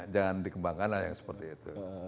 jangan dikembangkan lah yang seperti itu